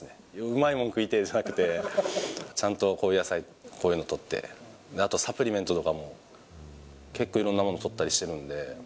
うまいもん食いてえじゃなくて、ちゃんと野菜こういうのとって、あとサプリメントとかも結構、いろんなものとったりしてるんで。